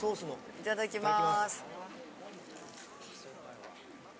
いただきます。